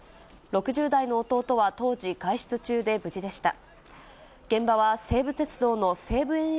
６０代の弟は当時、外出中で無事でした。